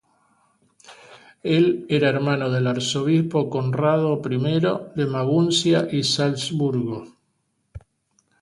Él era hermano del arzobispo Conrado I de Maguncia y Salzburgo.